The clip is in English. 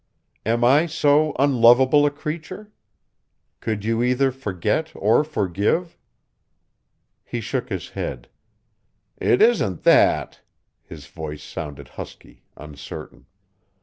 Am I so unlovable a creature? Couldn't you either forget or forgive?" He shook his head. "It isn't that." His voice sounded husky, uncertain.